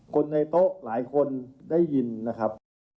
คนในโต๊ะหลายคนได้ยินนะครับ